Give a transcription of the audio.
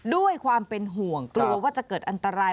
ด้วยความเป็นห่วงกลัวว่าจะเกิดอันตราย